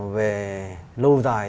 về lâu dài